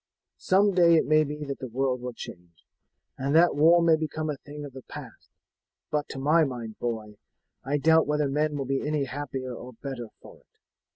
Some day it may be that the world will change, and that war may become a thing of the past; but to my mind, boy, I doubt whether men will be any happier or better for it.